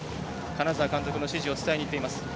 金沢監督の指示を伝えに行っています。